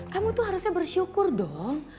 kamu tuh harusnya bersyukur dong